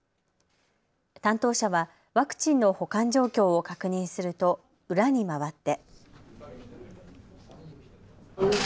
担当者はワクチンの保管状況を確認すると裏に回って。